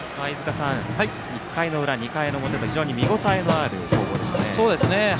１回の裏、２回の表と非常に見応えのある攻防でしたね。